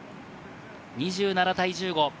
２７対１５。